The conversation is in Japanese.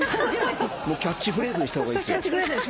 キャッチフレーズにした方がいいですよ。